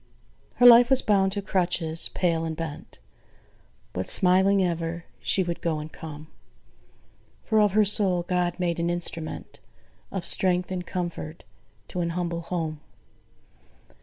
Her life was bound to crutches: pale and bent, But smiling ever, she would go and come: For of her soul GOD made an instrument Of strength and comfort to an humble home.